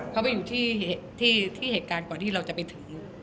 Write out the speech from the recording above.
เขาไปอยู่ที่เหตุการณ์ก่อนที่เราจะไปถึง